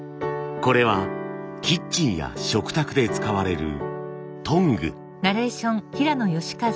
これはキッチンや食卓で使われるトング。